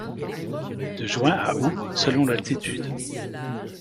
De juin à août, selon l'altitude.